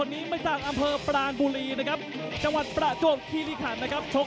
๒๖นิดนึงแล้ว๒นิดนึง